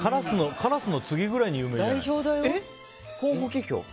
カラスの次ぐらいに有名だよ。